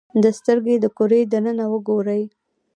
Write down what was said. د سترګې د کرې دننه وګورئ.